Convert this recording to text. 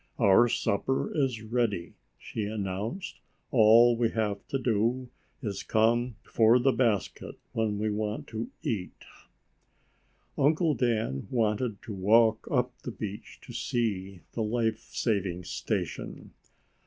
"Our supper is ready," she announced. "All we have to do is to come for the basket when we want to eat." Uncle Dan wanted to walk up the beach to see the life saving station.